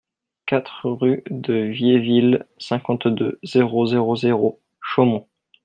quatre rue de Viéville, cinquante-deux, zéro zéro zéro, Chaumont